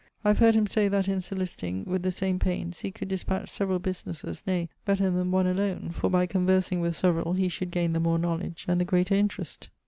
I have heard him say that in solliciting (with the same paines) he could dispatch severall businesses, nay, better than one alone, for by conversing with severall he should gaine the more knowledge, and the greater interest.